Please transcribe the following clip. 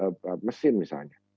mesti investasi mesin misalnya